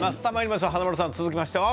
華丸さん、続きましては？